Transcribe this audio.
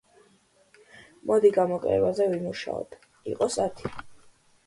მოდი გამოკლებაზე ვიმუშაოთ, იყოს ათი.